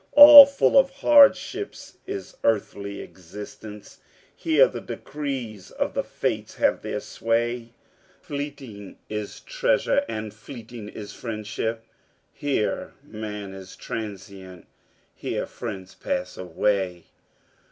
All full of hardships is earthly existence Here the decrees of the Fates have their sway Fleeting is treasure and fleeting is friendship Here man is transient, here friends pass away.